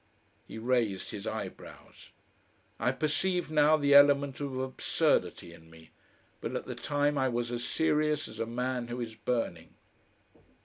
He raised his eyebrows. I perceived now the element of absurdity in me, but at the time I was as serious as a man who is burning.